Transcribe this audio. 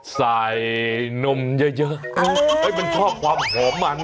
นมเยอะมันชอบความหอมมัน